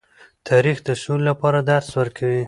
تاریخ د سولې لپاره درس ورکوي.